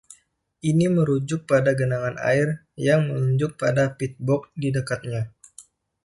Ini merujuk pada genangan air, yang menunjuk pada peat-bog di dekatnya.